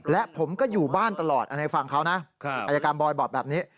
และผมก็อยู่บ้านตลอดอันนี้ฟังเขานะอายการบอยบอกแบบนี้